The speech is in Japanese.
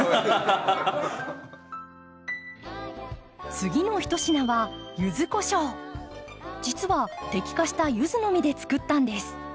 次の一品はじつは摘果したユズの実で作ったんです。